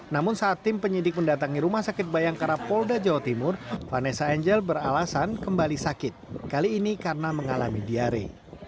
namun saat tim penyidik mendatangi rumah sakit bayangkara polda jawa timur vanessa angel beralasan kembali sakit kali ini karena mengalami diare